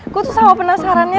gue tuh sama penasarannya